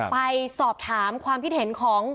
ไปสอบถามความพิเศษของ